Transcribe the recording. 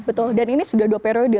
betul dan ini sudah dua periode